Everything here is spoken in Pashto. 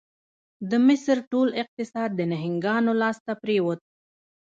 د مصر ټول اقتصاد د نهنګانو لاس ته پرېوت.